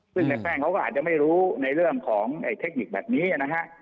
ซึ่งในแป้งเขาก็อาจจะไม่รู้ในเรื่องของเทคนิคแบบนี้นะฮะ